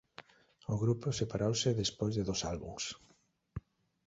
O grupo separouse despois de dos álbums.